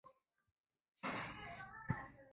他也在其后学习职业和商业教学。